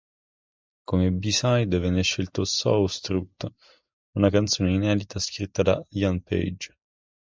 Come b side venne scelta "Soho Strut", una canzone inedita scritta da Ian Page.